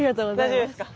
大丈夫ですか？